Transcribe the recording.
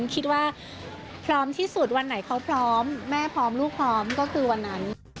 คิดว่าพร้อมที่สุดวันไหนเขาพร้อมแม่พร้อมลูกพร้อมก็คือวันนั้น